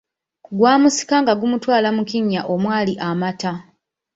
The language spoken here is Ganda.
Gwamusika nga gumutwala mu kinnya omwali amata.